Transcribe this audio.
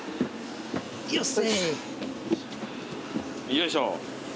よいしょ。